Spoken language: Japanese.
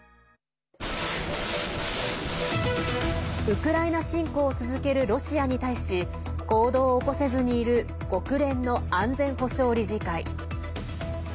ウクライナ侵攻を続けるロシアに対し行動を起こせずにいる国連の安全保障理事会。